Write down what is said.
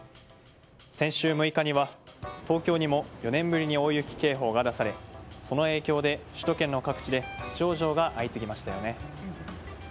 先週６日には東京にも４年ぶりに大雪警報が出されその影響で、首都圏の各地で立ち往生が相次ぎましたよね。